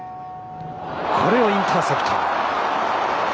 これをインターセプト。